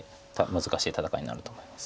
難しい戦いになると思います。